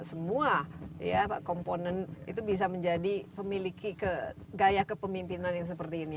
semua komponen itu bisa menjadi memiliki gaya kepemimpinan yang seperti ini